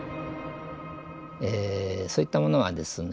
そういったものはですね